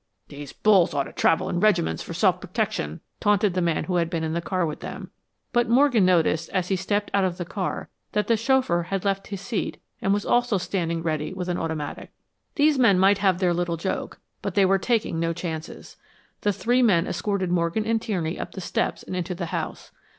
"These bulls ought to travel in regiments for self protection," taunted the man who had been with them in the car. But Morgan noticed, as he stepped out of the car, that the chauffeur had left his seat and was also standing ready with an automatic. These men might have their little joke, but they were taking no chances. The three men escorted Morgan and Tierney up the steps and into the house.